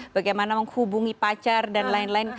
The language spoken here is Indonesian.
bagaimana menghubungi pacar dan lain lain